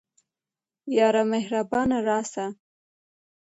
یاره مهربانه راسه